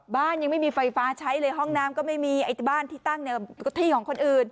บ้านยังไม่มีไฟฟ้าใช้เลยห้องน้ำก็ไม่มีบ้านที่ตั้งเนี่ยก็ที่ของคนอื่น